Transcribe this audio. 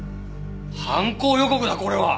犯行予告だこれは！